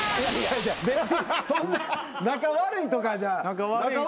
別にそんな仲悪いとかじゃないよね？